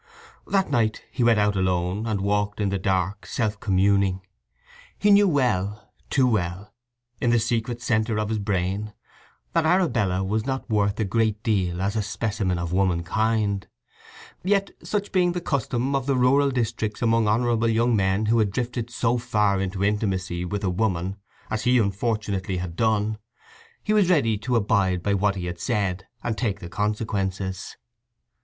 That night he went out alone, and walked in the dark self communing. He knew well, too well, in the secret centre of his brain, that Arabella was not worth a great deal as a specimen of womankind. Yet, such being the custom of the rural districts among honourable young men who had drifted so far into intimacy with a woman as he unfortunately had done, he was ready to abide by what he had said, and take the consequences.